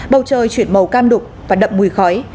bầu trời chuyển màu cam đục và đậm mùi khói